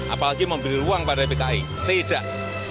apalagi memberi ruang pada pki tidak